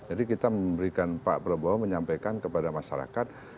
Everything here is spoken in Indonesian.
jadi kita memberikan pak prabowo menyampaikan kepada masyarakat